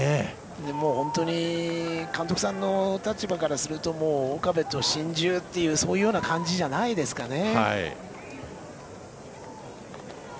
本当に監督さんの立場からすると岡部と心中っていうそういうような感じじゃないですかね。